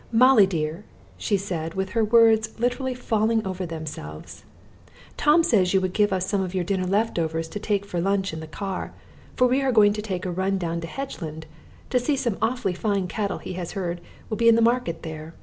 "Molly dear," she said with her words literally falling over themselves, "Tom says you would give us some of your dinner left overs to take for lunch in the car, for we are going to take a run down to Hedgeland to see some awfully fine cattle he has heard will be in the market there.